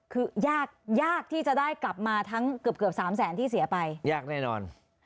คือยากยากที่จะได้กลับมาทั้งเกือบเกือบสามแสนที่เสียไปยากแน่นอน